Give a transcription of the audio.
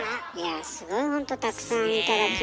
すごいほんとたくさん頂きましたね。